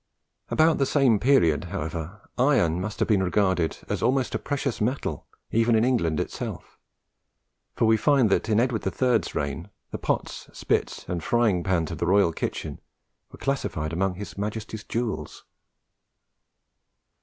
About the same period, however, iron must have been regarded as almost a precious metal even in England itself; for we find that in Edward the Third's reign, the pots, spits, and frying pans of the royal kitchen were classed among his Majesty's jewels.